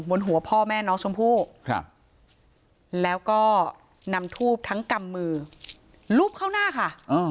บนหัวพ่อแม่น้องชมพู่แล้วก็นำทูบทั้งกำมือลูบเข้าหน้าค่ะ